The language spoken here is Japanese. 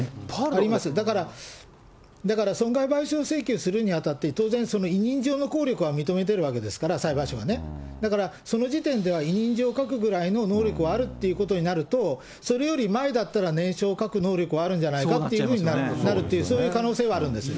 だから、だから、損害賠償請求するにあたって、当然、委任状の効力は認めているわけですから、裁判所がね、だから、その時点では委任状を書くぐらいの能力はあるっていうことになると、それより前だったら、念書を書く能力があるんじゃないかというふうになるっていう、そういう可能性があるんです。